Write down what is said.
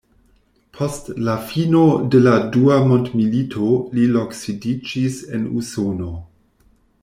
Post la fino de la dua mondmilito li loksidiĝis en Usono.